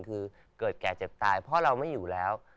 คือเกิดแก่เจ็บตายเพราะเราไม่อยู่แล้ว